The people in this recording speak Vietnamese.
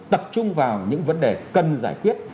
tập trung vào những vấn đề cần giải quyết